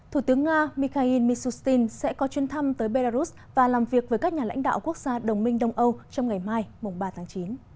thủ tướng nga mikhail mishustin sẽ có chuyến thăm tới belarus và làm việc với các nhà lãnh đạo quốc gia đồng minh đông âu trong ngày mai mùng ba tháng chín